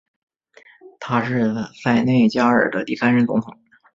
他是塞内加尔的第三任总统。